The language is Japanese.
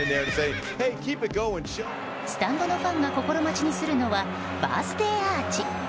スタンドのファンが心待ちにするのはバースデーアーチ。